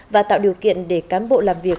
và tạo điều kiện để cán bộ làm việc